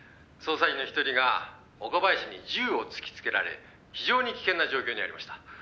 「捜査員の１人が岡林に銃を突きつけられ非常に危険な状況にありました」